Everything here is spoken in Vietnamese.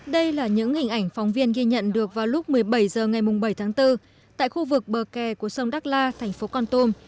đây là những hình ảnh phóng viên ghi nhận được vào lúc một mươi bảy h ngày bảy tháng bốn tại khu vực bờ kè của sông đắk la thành phố con tum